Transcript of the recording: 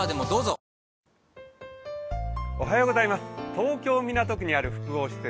東京・港区にある複合施設